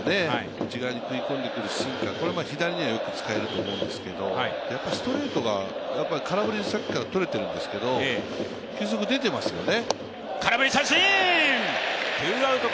内側に食い込んでくるシンカー、これは左にはよく使えると思うんですけど、やっぱりストレートが空振り、さっきから取れてるんですけれども、球速出てますよね。